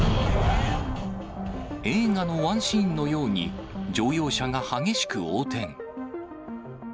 映画のワンシーンのように、乗用車が激しく横転。